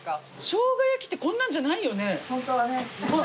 生姜焼きってこんなんじゃないよね？